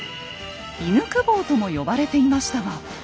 「犬公方」とも呼ばれていましたが。